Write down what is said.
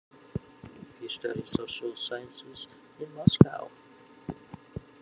He studied social sciences in Moscow.